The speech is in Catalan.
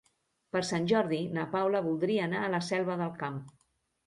Per Sant Jordi na Paula voldria anar a la Selva del Camp.